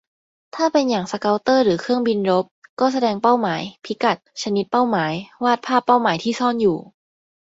ถ้าเป็นอย่างสเกาเตอร์หรือเครื่องบินรบ ก็แสดงเป้าหมาย พิกัด ชนิดเป้าหมาย วาดภาพเป้าหมายที่ซ่อนอยู่